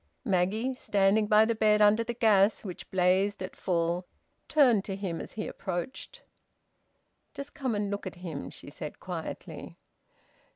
Maggie, standing by the bed under the gas which blazed at full, turned to him as he approached. "Just come and look at him," she said quietly.